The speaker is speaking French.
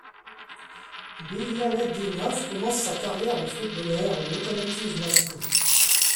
Bilialetdinov commence sa carrière de footballeur au Lokomotiv Moscou.